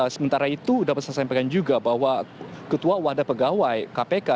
sementara itu dapat saya sampaikan juga bahwa ketua wadah pegawai kpk